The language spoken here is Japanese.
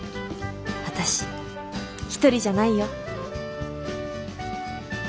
私一人じゃないよ。